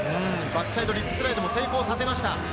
バックサイドリップスライドも成功させました。